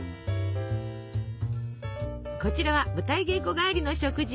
こちらは舞台稽古帰りの食事。